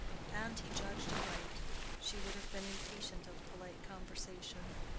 And he judged aright: she would have been impatient of polite conversation.